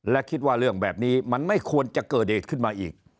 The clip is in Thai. และคิดว่าเรื่องแบบนี้มันไม่ควรจะเกิดเหตุขึ้นมาอีก